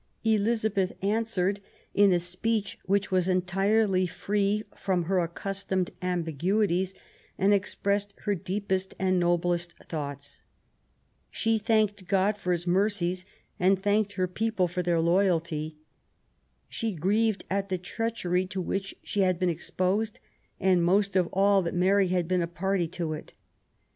Elizabeth answered in a speech which was entirely free from her accus tomed ambiguities, and expressed her deepest and noblest thoughts. She thanked God for His mercies, and thanked her people for their loyalty. She grieved at the treachery to which she had been exposed, and most of all that Mary had been a party to it.